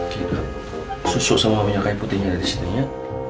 kayak susuk sama minyak kaya putihnya ada disini ya